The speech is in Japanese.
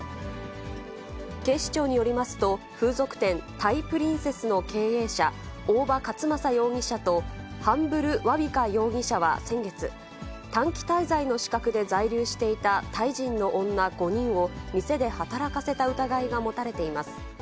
警視庁によりますと、風俗店、タイ・プリンセスの経営者、大場勝成容疑者とハンブル・ワウィカ容疑者は先月、短期滞在の資格で在留していたタイ人の女５人を店で働かせた疑いが持たれています。